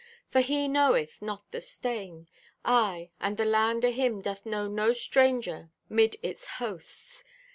For He knoweth not the stain. Aye, and the land o' Him doth know No stranger 'mid its hosts.